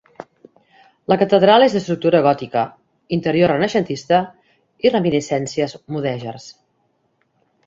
La catedral és d'estructura gòtica, interior renaixentista i reminiscències mudèjars.